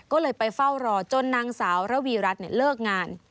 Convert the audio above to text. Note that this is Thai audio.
ก็เลยไปเฝ้ารอจนนางสาวระวีรัฐเลิกงาน